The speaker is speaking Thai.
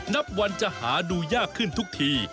นับวันจะหาดูยากขึ้นทุกที